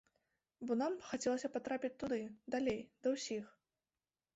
Бо нам хацелася патрапіць туды, далей, да ўсіх.